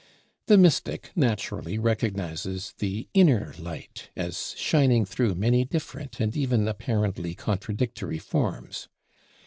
The "mystic" naturally recognizes the inner light as shining through many different and even apparently contradictory forms.